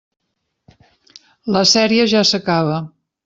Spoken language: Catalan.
La sèrie ja s'acaba.